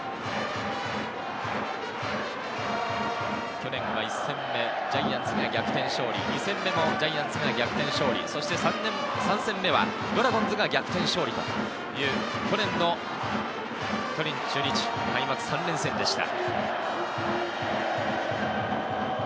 去年は１戦目、ジャイアンツが逆転勝利、２戦目もジャイアンツが逆転勝利、そして３戦目はドラゴンズが逆転勝利という去年の巨人・中日、開幕３連戦でした。